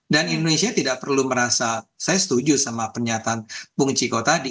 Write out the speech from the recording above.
dan indonesia tidak perlu merasa saya setuju sama pernyataan bung ciko tadi